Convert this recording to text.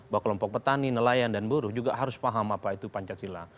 bahwa kelompok petani nelayan dan buruh juga harus paham apa itu pancasila